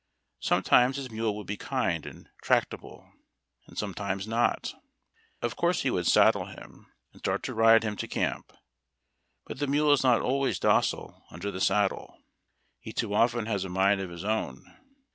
Sometimes his mule would be kind and tractable, and sometimes not. Of course he would saddle him, and start to ride him to camp ; but the mule is not always docile under the saddle. He too often has a mind of his own.